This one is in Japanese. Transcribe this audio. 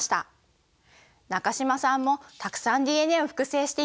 中島さんもたくさんＤＮＡを複製していましたね。